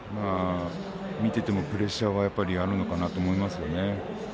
見ていてもプレッシャーはあるのかなと思いますよね。